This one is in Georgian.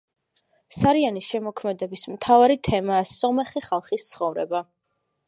სარიანის შემოქმედების მთავარი თემაა სომეხი ხალხის ცხოვრება.